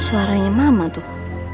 suaranya mama tuh